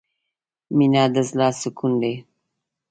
مینه د زړه سکون دی.